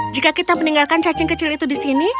jika kita meninggalkan cacing kecil itu di sini